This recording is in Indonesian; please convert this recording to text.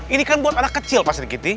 ini kan buat anak kecil pak sri kiti